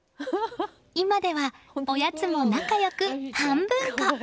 今ではおやつも仲良く半分こ。